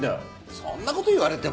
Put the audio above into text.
そんな事言われても。